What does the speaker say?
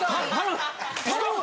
頼む！